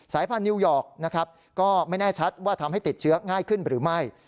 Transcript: พันธนิวยอร์กนะครับก็ไม่แน่ชัดว่าทำให้ติดเชื้อง่ายขึ้นหรือไม่